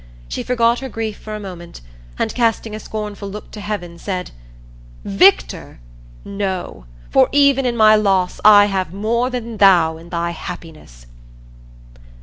She forgot her grief for a moment, and casting a scornful look to heaven, said, "Victor! No, for even in my loss I have more than thou in thy happiness!"